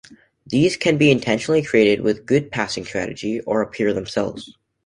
These can be intentionally created with good passing strategy, or appear by themselves.